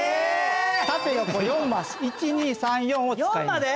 縦横４マス１２３４を使います。